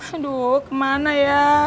aduh kemana ya